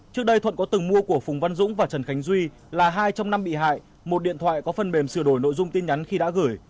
trước đây thuận có từng mua của phùng văn dũng và trần khánh duy là hai trong năm bị hại một điện thoại có phần mềm sửa đổi nội dung tin nhắn khi đã gửi